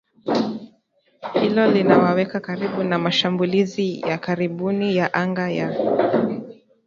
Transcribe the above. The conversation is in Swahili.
Hilo linawaweka karibu na mashambulizi ya karibuni ya anga ya